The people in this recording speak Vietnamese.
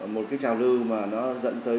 một cái trào lưu mà nó dẫn tới